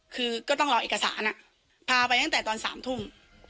คือก็ต้องรอเอกสารพาไปตั้งแต่ตอน๓ทุ่ม